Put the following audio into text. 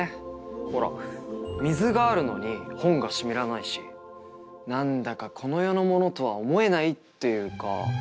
ほら水があるのに本が湿らないし何だかこの世のものとは思えないっていうか。